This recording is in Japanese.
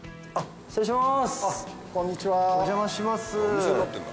失礼します！